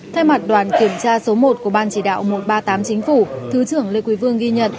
thay mặt đoàn kiểm tra số một của ban chỉ đạo một trăm ba mươi tám chính phủ thứ trưởng lê quý vương ghi nhận